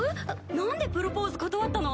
なんでプロポーズ断ったの？